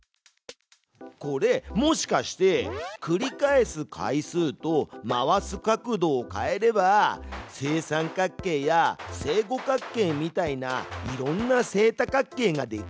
これもしかして繰り返す回数と回す角度を変えれば正三角形や正五角形みたいないろんな正多角形ができるんじゃない？